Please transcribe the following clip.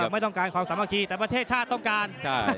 ไม่ต้องการความสามัคคีแต่ประเทศชาติต้องการ